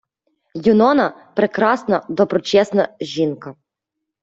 Юнона — прекрасна, доброчесна жінка